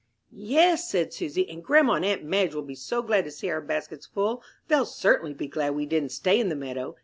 "Yes," said Susy, "and grandma and aunt Madge will be so glad to see our baskets full they'll certainly be glad we didn't stay in the meadow.